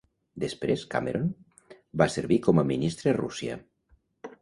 Després, Cameron va servir com a ministre a Rússia.